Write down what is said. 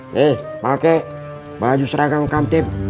nih pake baju seragam kamtip